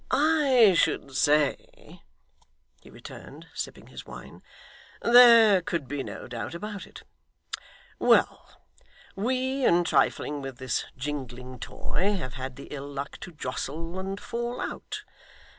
'I should say,' he returned, sipping his wine, 'there could be no doubt about it. Well; we, in trifling with this jingling toy, have had the ill luck to jostle and fall out.